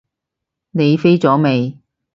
你飛咗未？